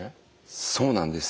そうなんです。